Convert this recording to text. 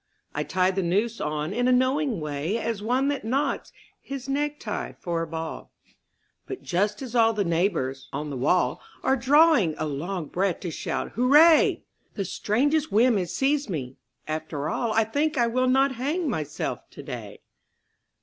I tie the noose on in a knowing way As one that knots his necktie for a ball; But just as all the neighbours on the wall Are drawing a long breath to shout 'Hurray!' The strangest whim has seized me ... After all I think I will not hang myself today.